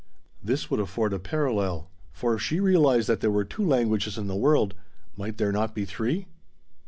This would afford a parallel; for if she realized that there were two languages in the world, might there not be three?